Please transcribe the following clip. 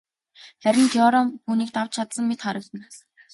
Харин Теорем түүнийг давж чадсан мэт харагдана.